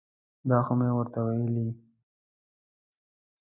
دا خو مې ورته ویلي.